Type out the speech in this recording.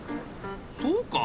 そうか？